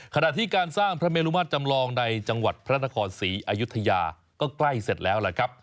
ขณะที่การสร้างพระเมลุมาตรจำลองในจังหวัดพระนครศรีอายุทยาก็ใกล้เสร็จแล้วล่ะครับ